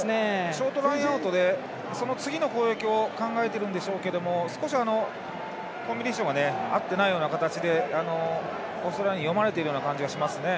ショートラインアウトでその次の攻撃を考えてるんでしょうけど少しコンビネーションが合ってないような形でオーストラリアに読まれてるような感じがしますね。